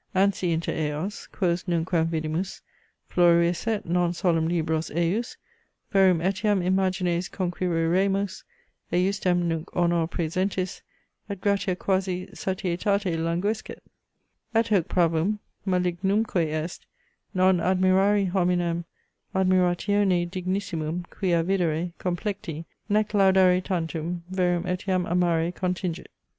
An si inter eos, quos nunquam vidimus, floruisset, non solum libros ejus, verum etiam imagines conquireremus, ejusdem nunc honor prasentis, et gratia quasi satietate languescet? At hoc pravum, malignumque est, non admirari hominem admiratione dignissimum, quia videre, complecti, nec laudare tantum, verum etiam amare contingit.